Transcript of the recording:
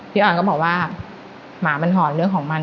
อ่อนก็บอกว่าหมามันหอนเรื่องของมัน